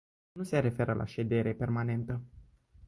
Nu se referă la ședere permanentă.